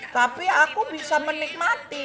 tapi aku bisa menikmati